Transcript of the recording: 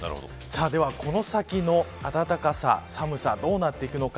ではこの先の暖かさ、寒さどうなっていくのか。